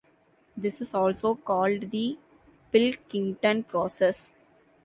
This is also called the "Pilkington process".